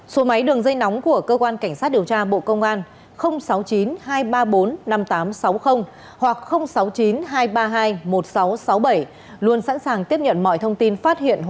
số máy đường dây nóng của cơ quan cảnh sát điều tra bộ công an sáu mươi chín hai trăm ba mươi bốn năm nghìn tám trăm sáu mươi hoặc sáu mươi chín hai trăm ba mươi hai một nghìn sáu trăm sáu mươi bảy luôn sẵn sàng tiếp nhận mọi thông tin